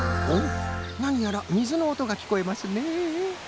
なにやらみずのおとがきこえますね。